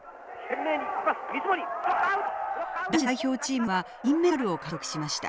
男子代表チームは銀メダルを獲得しました。